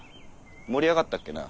盛り上がったっけなぁ？